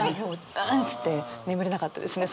「ぁっ！！」つって眠れなかったですね